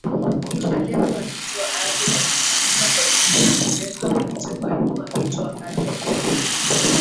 aliyekuwa akitoa ardhi alifahamika kwa jina la Mteko Na mteko alikuwa akitoa ardhi kwa